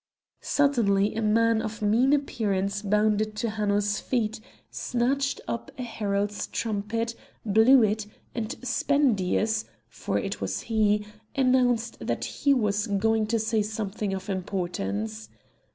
Suddenly a man of mean appearance bounded to Hanno's feet, snatched up a herald's trumpet, blew it, and Spendius (for it was he) announced that he was going to say something of importance.